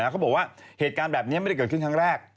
เขาบอกว่าเหตุการณ์แบบนี้ไม่ได้เกิดขึ้นครั้งแรก